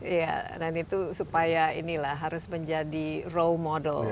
iya dan itu supaya inilah harus menjadi role model